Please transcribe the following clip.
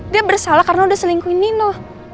dia bersalah karena udah selingkuh nino